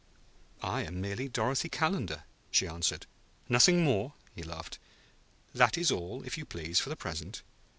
"I am merely Dorothy Calendar," she answered. "Nothing more?" He laughed. "That is all, if you please, for the present."